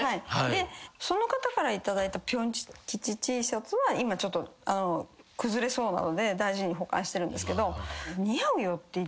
でその方から頂いたピョン吉Ｔシャツは今ちょっと崩れそうなので大事に保管してるんですけど。